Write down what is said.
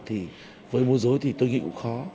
thì với mua dối thì tôi nghĩ cũng khó